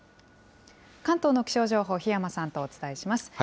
関東の気象情報、檜山さんとお伝えします。